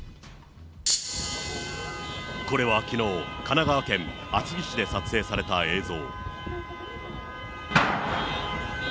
これはきのう、神奈川県厚木市で撮影された映像。